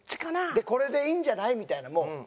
でこれでいいんじゃない？みたいなもう。